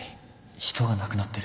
人が亡くなってる